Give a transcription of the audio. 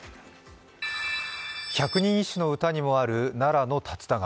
百人一首の歌にもある奈良の竜田川。